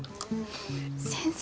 先生